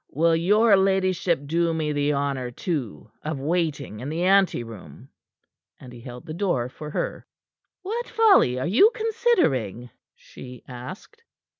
"Will your ladyship do me the honor, too, of waiting in the ante room?" and he held the door for her. "What folly are you considering?" she asked.